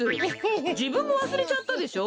じぶんもわすれちゃったでしょ？